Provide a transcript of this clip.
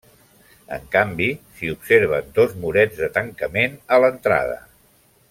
En canvi, s'hi observen dos murets de tancament a l’entrada.